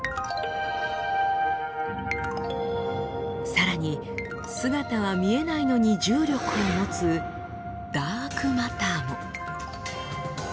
さらに姿は見えないのに重力を持つダークマターも。